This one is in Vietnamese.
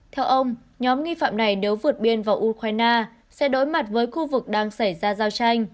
theo ông nhóm nghi phạm này nếu vượt biên vào ukraine sẽ đối mặt với khu vực đang xảy ra giao tranh